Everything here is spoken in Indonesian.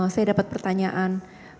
saya dapat pertanyaan